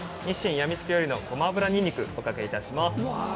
やみつきオイルのごま油にんにくをおかけいたします。